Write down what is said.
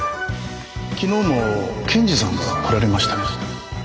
昨日も検事さんが来られましたけど。